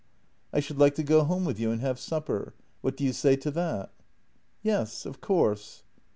" I should like to go home with you and have supper. What do you say to that? "" Yes, of course."